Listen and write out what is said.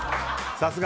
さすが！